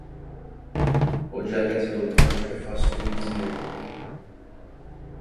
O dialeto do norte é fácil de entender.